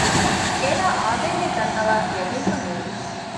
އޭނާ އާދޭހޭ ދަންނަވައި ޔަގީންކަން އެރުވި